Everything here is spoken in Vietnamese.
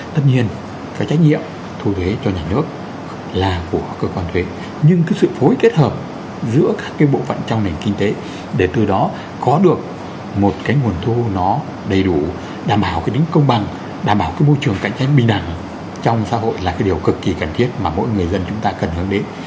tất nhiên cái trách nhiệm thu thuế cho nhà nước là của cơ quan thuế nhưng cái sự phối kết hợp giữa các bộ phận trong nền kinh tế để từ đó có được một cái nguồn thu nó đầy đủ đảm bảo cái tính công bằng đảm bảo cái môi trường cạnh tranh bình đẳng trong xã hội là cái điều cực kỳ cần thiết mà mỗi người dân chúng ta cần hướng đến